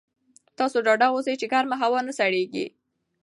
تاسو ډاډه اوسئ چې ګرمه هلوا نه سړېږي.